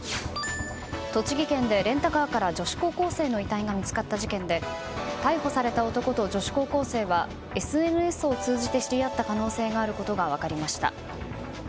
栃木県でレンタカーから女子高校生の遺体が見つかった事件で逮捕された男と女子高校生はＳＮＳを通じて知り合った可能性があることが分かりました。